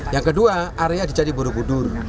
yang kedua area di candi borobudur